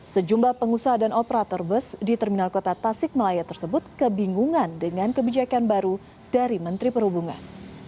sejumlah pengusaha dan operator bus di terminal kota tasik malaya tersebut kebingungan dengan kebijakan baru dari menteri perhubungan